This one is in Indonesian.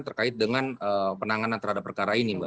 terkait dengan penanganan terhadap perkara ini mbak